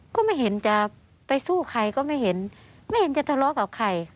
ก็ไม่เห็นจะไปสู้ใครก็ไม่เห็นไม่เห็นจะทะเลาะกับใคร